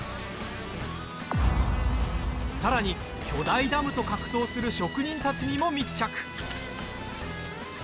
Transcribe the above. さらに、巨大ダムと格闘する職人たちにも密着。